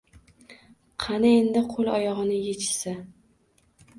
Qani endi qo‘l-oyog‘ini yechishsa